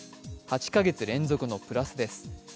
８か月連続のプラスです。